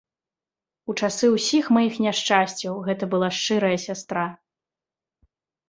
У часы ўсіх маіх няшчасцяў гэта была шчырая сястра.